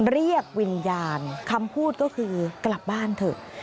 เรียกวิญญาณคำพูดก็คือกลับบ้านเถอะ